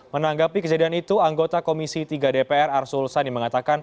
menanggapi kejadian itu anggota komisi tiga dpr arsul sani mengatakan